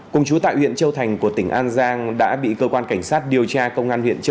cùng chú tại huyện châu thành của tỉnh an giang đã bị cơ quan cảnh sát điều tra công an huyện châu